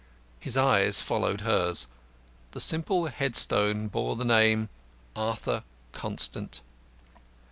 His eyes followed hers. The simple headstone bore the name, "Arthur Constant."